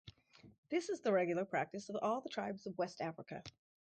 This is the regular practice of all the tribes of West Africa.